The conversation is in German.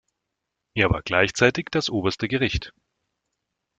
Er war gleichzeitig das oberste Gericht.